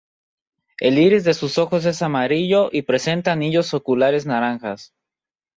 El iris de sus ojos es amarillo y presenta anillos oculares naranjas.